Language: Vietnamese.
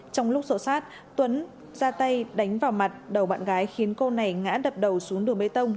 trong lúc sổ sát tuấn ra tay đánh vào mặt đầu bạn gái khiến cô này ngã đập đầu xuống đường bê tông